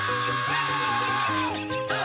あ！